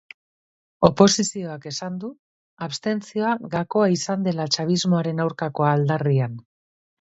Oposizioak esan du abstentzioa gakoa izan dela chavismoaren aurkako aldarrian.